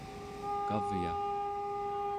kavya